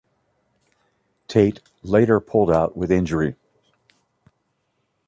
Tait later pulled out with injury.